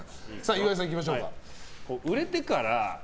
岩井さんいきましょうか。